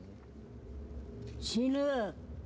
死ぬ。